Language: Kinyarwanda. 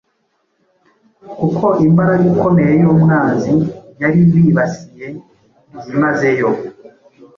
kuko imbaraga ikomeye y’umwanzi yari ibibasiye byimazeyo.